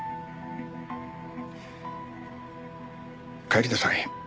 帰りなさい。